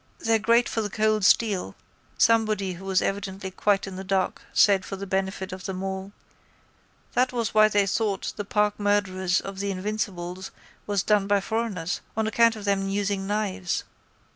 —They're great for the cold steel, somebody who was evidently quite in the dark said for the benefit of them all. That was why they thought the park murders of the invincibles was done by foreigners on account of them using knives.